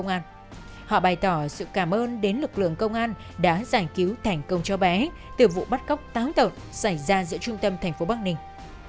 họ bày tỏ sự cảm ơn đến lực lượng công an đã giải cứu thành công cho bé từ vụ bắt cóc táo tợn xảy ra giữa trung tâm thành phố bắc ninh